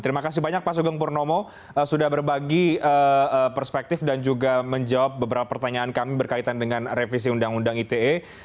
terima kasih banyak pak sugeng purnomo sudah berbagi perspektif dan juga menjawab beberapa pertanyaan kami berkaitan dengan revisi undang undang ite